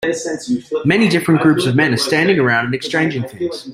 Many different groups of men are standing around and exchanging things.